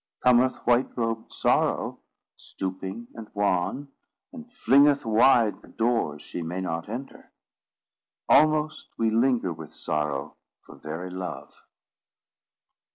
Cometh white robed Sorrow, stooping and wan, and flingeth wide the doors she may not enter. Almost we linger with Sorrow for very love.